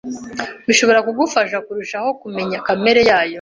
bishobora kugufasha kurushaho kumenya kamere yayo.